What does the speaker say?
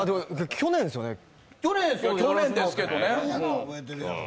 去年ですけどね。